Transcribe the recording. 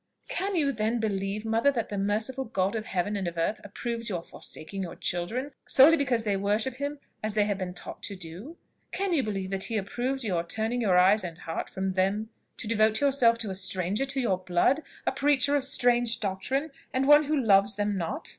"Can you then believe, mother, that the merciful God of heaven and of earth approves your forsaking your children, solely because they worship him as they have been taught to do? Can you believe that he approves your turning your eyes and heart from them to devote yourself to a stranger to your blood, a preacher of strange doctrine, and one who loves them not?"